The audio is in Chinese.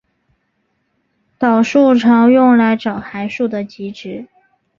导数常用来找函数的极值。